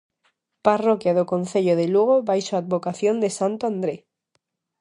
Parroquia do concello de Lugo baixo a advocación de santo André.